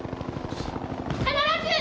必ず！